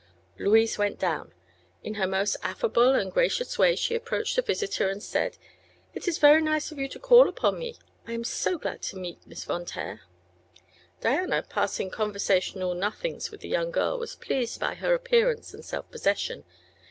Louise went down. In her most affable and gracious way she approached the visitor and said: "It is very nice of you to call upon me. I am so glad to meet Miss Von Taer." Diana, passing conversational nothings with the young girl, was pleased by her appearance and self possession.